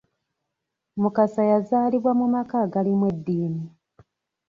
Mukasa yazaalibwa mu maka agalimu eddiini.